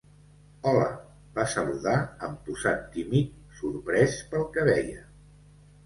Hola —va saludar amb posat tímid, sorprès pel que veia.